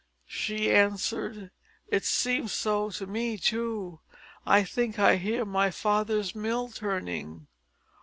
She answered: "It seems so to me too; I think I hear my father's mill turning."